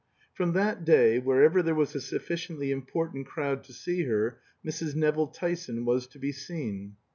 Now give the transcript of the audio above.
From that day, wherever there was a sufficiently important crowd to see her, Mrs. Nevill Tyson was to be seen.